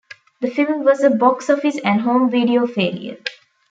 The film was a box office and home video failure.